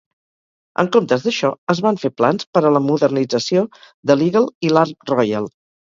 En comptes d'això, es van fer plans per a la modernització de l'"Eagle" i l'"Ark Royal".